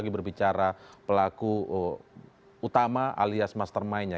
lagi berbicara pelaku utama alias mastermindnya